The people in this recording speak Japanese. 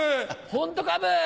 ホントかブ。